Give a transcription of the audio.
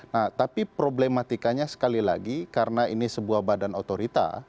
nah tapi problematikanya sekali lagi karena ini sebuah badan otorita